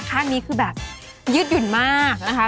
ข้างนี้คือแบบยืดหยุ่นมากนะคะ